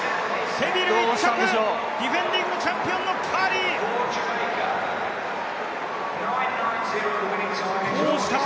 セビルが１着、ディフェンディングチャンピオンのカーリー、どうしたか。